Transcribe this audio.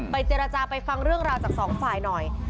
เจรจาไปฟังเรื่องราวจากสองฝ่ายหน่อย